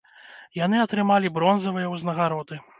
Яны атрымалі бронзавыя ўзнагароды.